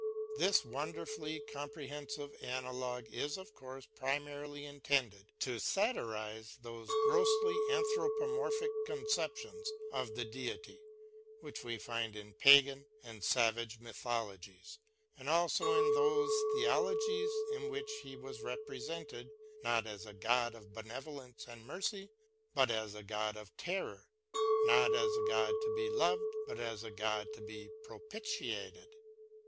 This wonderfully comprehensive analogue is, of course, primarily intended to satirise those grossly anthropo morphic conceptions of the Deity which we find in pagan and savage mythologies, and also in those theologies in which he was represented not as a God of benevolence and mercy, but as a God of terror ; not as a God to be loved, but as a God to be propitiated.